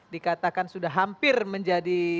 dikatakan sudah hampir menjadi